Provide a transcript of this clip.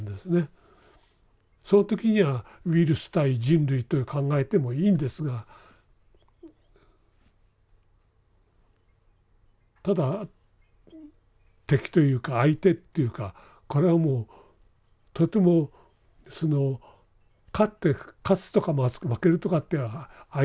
その時にはウイルス対人類という考えてもいいんですがただ敵というか相手っていうかこれはもうとてもその勝つとか負けるとかって相手じゃないんですね。